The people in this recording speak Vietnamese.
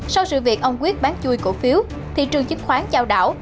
sau sự việc ông quyết bán chui cổ phiếu thị trường chứng khoán giao đảo